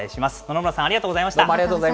野々村さん、ありがとうございました。